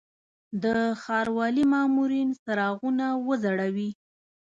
د ښاروالي مامورین څراغونه وځړوي.